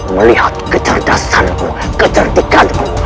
melihat kecerdasanku kecerdikanmu